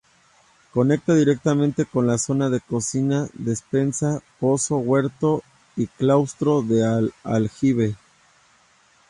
Conecta directamente con la zona de cocina, despensa, pozo, huerto y claustro del aljibe.